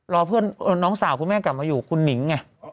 เพื่อนน้องสาวคุณแม่กลับมาอยู่คุณหนิงไง